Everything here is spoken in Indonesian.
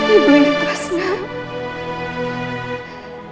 ibu ibu pas pak